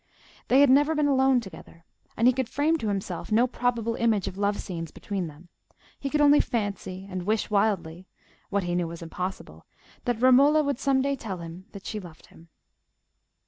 They had never been alone together, and he could frame to himself no probable image of love scenes between them: he could only fancy and wish wildly—what he knew was impossible—that Romola would some day tell him that she loved him.